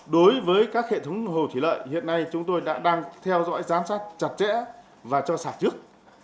đối với các hệ thống hồ thủy lợi hiện nay chúng tôi đã đang theo dõi giám sát chặt chẽ và cho sạc trước